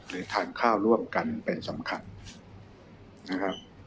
ทานข้าวร่วมกันเป็นสำคัญนะครับ